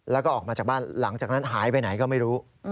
แล้วก็ออกมาจากบ้านหลังจากนั้นหายไปไหนก็ไม่รู้